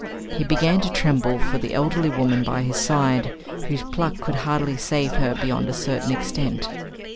He began to tremble for the elderly woman by his side, whose pluck could hardly save her beyond a certain extent.